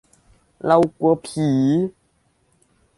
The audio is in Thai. เรากลัวผี !